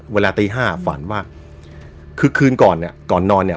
เวลาตีห้าฝันว่าคือคืนก่อนเนี่ยก่อนนอนเนี่ย